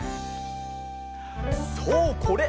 そうこれ！